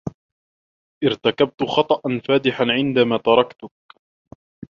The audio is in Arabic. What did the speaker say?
ارتكبتُ خطأ فادحا عندما تركتُكِ.